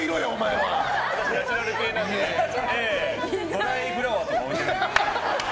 ドライフラワーとか置いてるので。